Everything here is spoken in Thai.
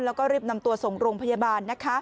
แล้วก็รีบนำตัวส่งโรงพยาบาลนะคะ